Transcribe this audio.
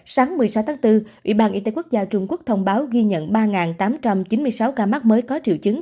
sáng một mươi sáu tháng bốn ủy ban y tế quốc gia trung quốc thông báo ghi nhận ba tám trăm chín mươi sáu ca mắc mới có triệu chứng